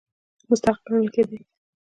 مستحق ګڼل کېدی.